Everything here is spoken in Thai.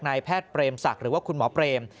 นายแพทย์เปรมศักดิ์หรือว่าคุณหมอเปรม